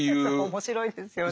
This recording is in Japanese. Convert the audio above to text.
面白いですよね。